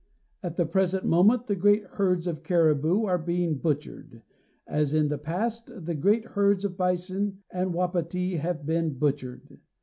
At the present moment the great herds of caribou are being butchered, as in the past the great herds of bison and wapiti have been butchered.